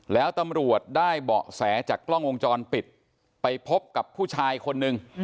แล้วตำรวจได้เบาะแสจากกล้องวงจรปิดไปพบกับผู้ชายคนนึง